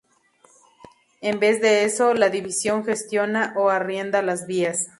En vez de eso, la división gestiona o arrienda las vías.